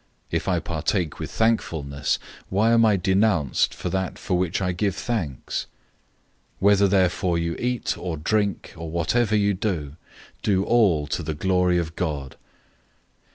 010:030 If I partake with thankfulness, why am I denounced for that for which I give thanks? 010:031 Whether therefore you eat, or drink, or whatever you do, do all to the glory of God.